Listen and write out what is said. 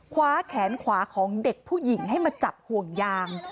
คว้าแขนขวาของเด็กผู้หญิงให้มาจับห่วงยาง